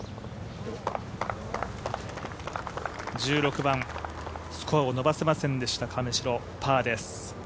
１６番、スコアを伸ばせませんでした、亀代、パーです。